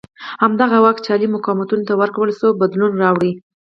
همدغه واک چې عالي مقامانو ته ورکړل شوی وو بدلون راوړ.